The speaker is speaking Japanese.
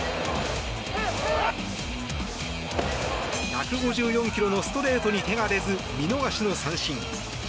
１５４ｋｍのストレートに手が出ず、見逃しの三振。